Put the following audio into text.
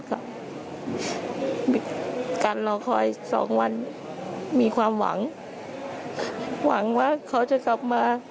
กับการรอคอยสองวันมีความหวังหวังว่าเขาจะกลับมา